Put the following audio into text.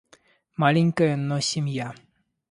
Маленькая, но семья.